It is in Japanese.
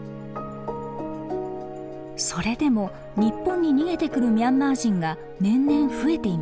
それでも日本に逃げてくるミャンマー人が年々増えていました。